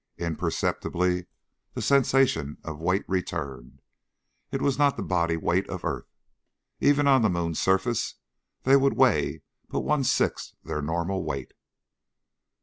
Imperceptibly the sensation of weight returned, but it was not the body weight of earth. Even on the moon's surface they would weigh but one sixth their normal weight.